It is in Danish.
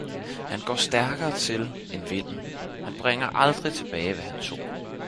Han går stærkere til end vinden, han bringer aldrig tilbage hvad han tog